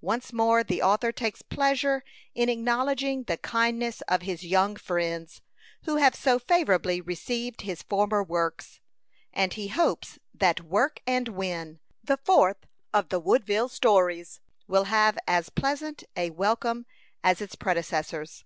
Once more the author takes pleasure in acknowledging the kindness of his young friends, who have so favorably received his former works; and he hopes that "WORK AND WIN," the fourth of the Woodville Stories, will have as pleasant a welcome as its predecessors.